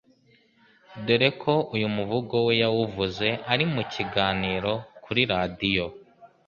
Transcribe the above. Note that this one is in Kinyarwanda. dore ko uyu muvugo we yawuvuze ari mu kiganiro kuri radiyo